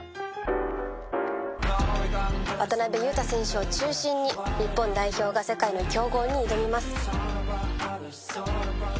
渡邊雄太選手を中心に日本代表が世界の強豪に挑みます